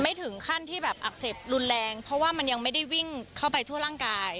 ถึงขั้นที่แบบอักเสบรุนแรงเพราะว่ามันยังไม่ได้วิ่งเข้าไปทั่วร่างกาย